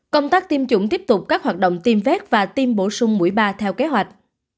công tác tiêm chủng tiếp tục các hoạt động tiêm vét và tiêm bổ sung mũi ba theo kế hoạch